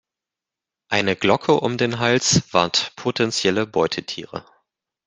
Eine Glocke um den Hals warnt potenzielle Beutetiere.